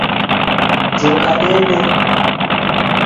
Joka dende